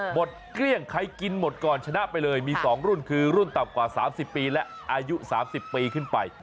เกลี้ยงใครกินหมดก่อนชนะไปเลยมี๒รุ่นคือรุ่นต่ำกว่า๓๐ปีและอายุ๓๐ปีขึ้นไป